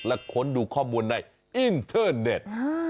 และค้นดูข้อมูลในอินเทอร์เน็ต